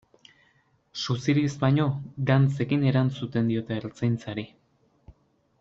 Suziriz baino, dantzekin erantzuten diote Ertzaintzari.